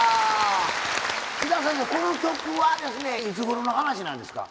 キダ先生この曲はですねいつごろの話なんですか？